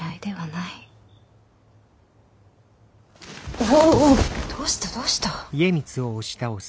おおどうしたどうした。